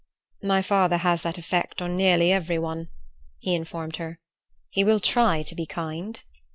"My father has that effect on nearly everyone," he informed her. "He will try to be kind."